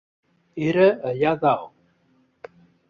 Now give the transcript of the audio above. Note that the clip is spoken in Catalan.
Era allà dalt.